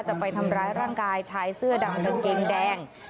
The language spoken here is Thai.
จะไปทำร้ายร่างกายชายเสื้อดำกางเกงแดง